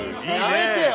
やめてよ